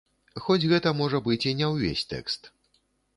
Хоць гэта можа быць і не ўвесь тэкст.